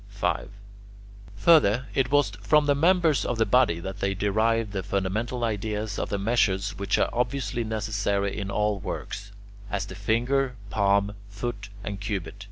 5. Further, it was from the members of the body that they derived the fundamental ideas of the measures which are obviously necessary in all works, as the finger, palm, foot, and cubit.